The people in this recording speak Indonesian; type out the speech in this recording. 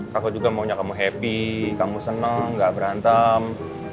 kakak juga maunya kamu happy kamu seneng gak berantem